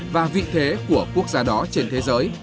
và vị thế của quốc gia đó trên thế giới